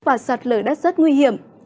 và sọt lở đất rất nguy hiểm